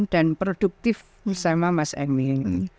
dan produktif sama mas emil